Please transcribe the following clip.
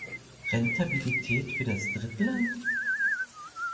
Rentabilität für das Drittland?